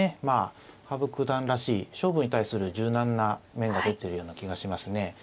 まあ羽生九段らしい勝負に対する柔軟な面が出てるような気がしますね。